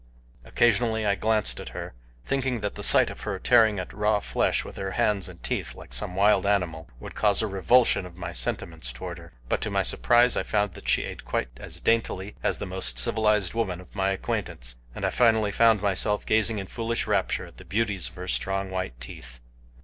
Occasionally I glanced at her, thinking that the sight of her tearing at raw flesh with her hands and teeth like some wild animal would cause a revulsion of my sentiments toward her; but to my surprise I found that she ate quite as daintily as the most civilized woman of my acquaintance, and finally I found myself gazing in foolish rapture at the beauties of her strong, white teeth.